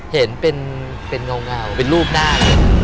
เห็นเป็นะเหมือนกับรูปหน้า